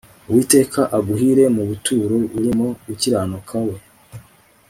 uwiteka aguhire wa buturo burimo gukiranuka we